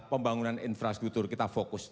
pembangunan infrastruktur kita fokus